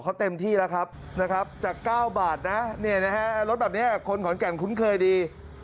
เขาเต็มที่แล้วครับจะ๙บาทนแบบนี้คืนเคยดี